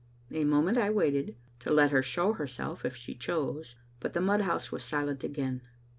A moment I waited, to let her show herself if she chose. But the mudhouse was silent again.